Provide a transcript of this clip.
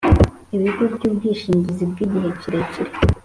Ibigo by ubwishingizi bw igihe kirekire